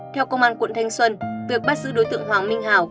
theo công an quận thanh xuân việc bắt giữ đối tượng hoàng minh hào